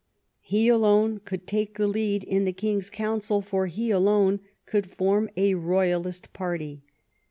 He alone could take the lead in the king's council, for he alone could form a royalist party.